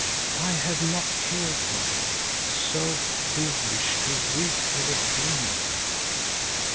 I have not killed her. So foolish to weep for a dream."